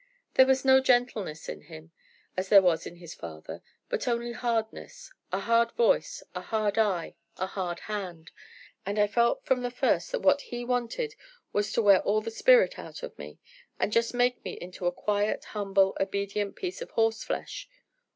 There was no gentleness in him, as there was in his father, but only hardness, a hard voice, a hard eye, a hard hand; and I felt from the first that what he wanted was to wear all the spirit out of me, and just make me into a quiet, humble, obedient piece of horse flesh.